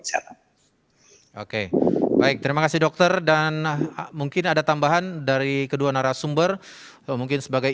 hai oke baik terima kasih dokter dan mungkin ada tambahan dari kedua narasumber tuh mungkin sebagai